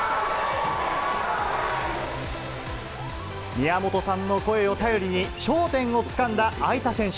宮本さんの声を頼りに、頂点をつかんだ會田選手。